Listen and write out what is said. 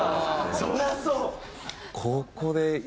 そりゃそう！